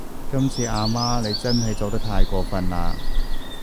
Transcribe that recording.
今次阿媽你真係做得太過份喇